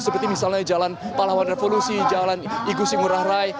seperti misalnya jalan pahlawan revolusi jalan igusi ngurah rai